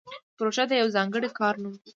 پروژه د یو ځانګړي کار نوم دی